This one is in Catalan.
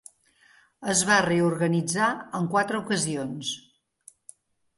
Es va reorganitzar en quatre ocasions.